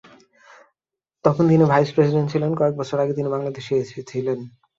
তখন তিনি vice president ছিলেন, কয়েক বছর আগে তিনি বাংলাদেশে এসেছিলেন।